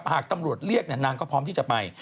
หากตำรวจเรียกนางก็พร้อมที่จะไป